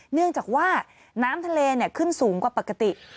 เนื่องจากว่าน้ำทะเลขึ้นสูงกว่าปกติ